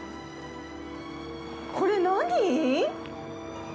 これ、何！？